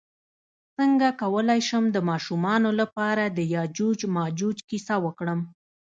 څنګه کولی شم د ماشومانو لپاره د یاجوج ماجوج کیسه وکړم